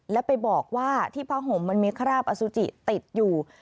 แล้วไปบอกว่าที่ผ้าห่มมันมีคราบอสุจิติดอยู่